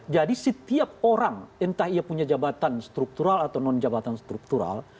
jadi setiap orang entah punya jabatan struktural atau non jabatan struktural